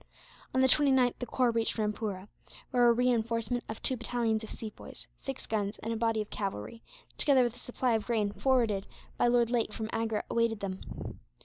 On the 29th the corps reached Rampoora; where a reinforcement of two battalions of Sepoys, six guns, and a body of cavalry, together with a supply of grain forwarded by Lord Lake from Agra, awaited them.